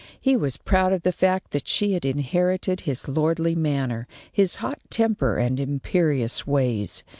He was proud of the fact that she had inherited his lordly manner, his hot temper, and imperious ways.